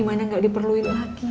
gimana nggak diperluin lagi